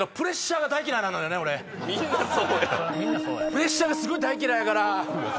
プレッシャーが大嫌いやから。